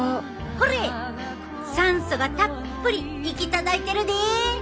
ほれ酸素がたっぷり行き届いてるで。